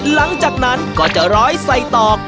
หลังจากนั้นก็จะร้อยใส่ตอก